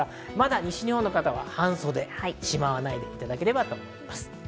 西日本の方は半袖、しまわないでいただければと思います。